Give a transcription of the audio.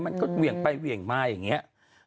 มันก็เหวี่ยงไปเหวี่ยงมาอย่างนี้